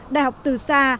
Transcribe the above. đại học từ xa